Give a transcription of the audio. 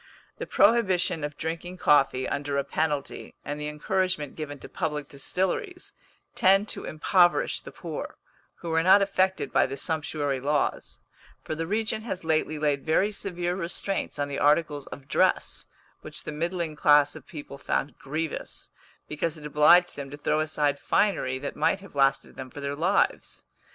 The prohibition of drinking coffee under a penalty, and the encouragement given to public distilleries, tend to impoverish the poor, who are not affected by the sumptuary laws; for the regent has lately laid very severe restraints on the articles of dress, which the middling class of people found grievous, because it obliged them to throw aside finery that might have lasted them for their lives.